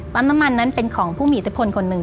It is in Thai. ซ่อน้ำมันนั้นเป็นของผู้มีตะพลคนหนึ่ง